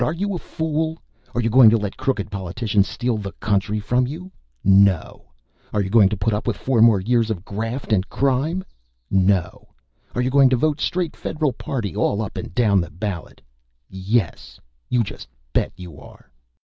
Are you a fool? Are you going to let crooked politicians steal the country from you? NO! Are you going to put up with four more years of graft and crime? NO! Are you going to vote straight Federal Party all up and down the ballot? YES! _You just bet you are!